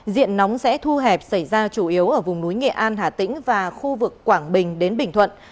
diện nóng sẽ thu hẹp xảy ra chủ yếu ở vùng núi nghệ an hà tĩnh và khu vực quảng bình đến bình thuận